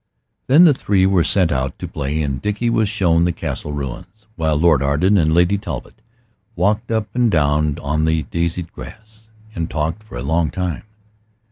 Then the three were sent out to play, and Dickie was shown the castle ruins, while Lord Arden and Lady Talbot walked up and down on the daisied grass, and talked for a long time.